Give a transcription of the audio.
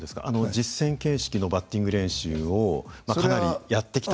実戦形式のバッティング練習をかなりやってきた。